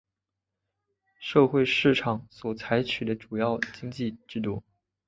社会市场经济所采取的主要经济制度。